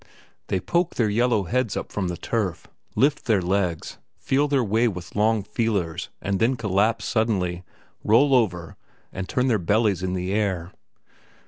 They poke their yellow heads up from the turf, lift their legs, feel their way with long feelers and then collapse suddenly, roll over, and turn their bellies in the air.